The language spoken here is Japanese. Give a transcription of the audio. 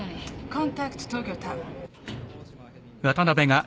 コンタクト東京タワー。